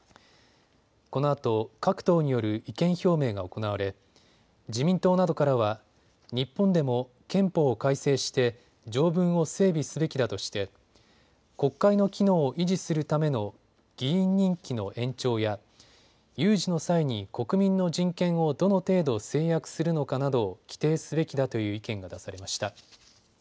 このあと各党による意見表明が行われ自民党などからは日本でも憲法を改正して条文を整備すべきだとして国会の機能を維持するための議員任期の延長や有事の際に国民の人権をどの程度制約するのかなどを規定すべきだという意見が出されました。